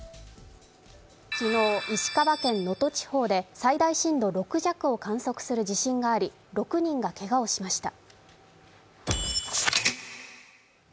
昨日、石川県能登地方で最大震度６弱を観測する地震があり６人がけがをしました。